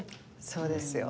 そうですよ。